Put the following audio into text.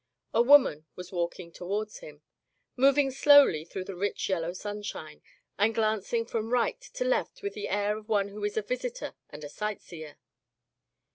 A woman was walking toward him, moving slowly through the rich yellow sunshine, and glancing from right to left with the air of one who is a visitor and a sight seer.